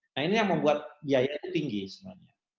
nah ini yang membuat biaya itu tinggi sebenarnya